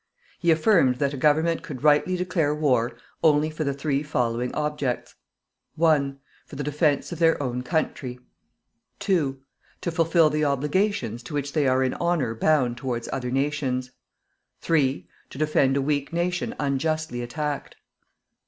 He affirmed that a Government could rightly declare war only for the three following objects: 1. For the defence of their own country. 2. To fulfill the obligations to which they are in honour bound towards other nations. 3. To defend a weak nation unjustly attacked.